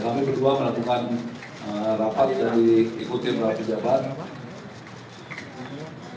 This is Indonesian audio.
kami berdua menentukan rapat jadi ikuti melalui jawaban